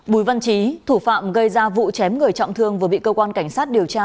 bùi văn trí thủ phạm gây ra vụ chém người trọng thương vừa bị cơ quan cảnh sát điều tra